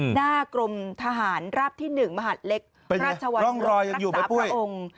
หน้ากรมทหารราบที่๑มหาดเล็กราชวรรักษาพระองค์